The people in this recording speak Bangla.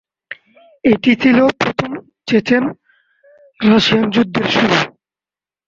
এটি ছিল প্রথম চেচেন-রাশিয়ান যুদ্ধের শুরু।